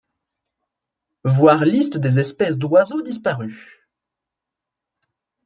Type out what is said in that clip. Voir liste des espèces d'oiseaux disparues.